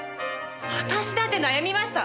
私だって悩みました！